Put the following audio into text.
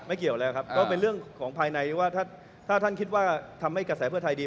เกี่ยวแล้วครับก็เป็นเรื่องของภายในว่าถ้าท่านคิดว่าทำให้กระแสเพื่อไทยดี